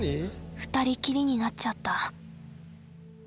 ２人きりになっちゃった。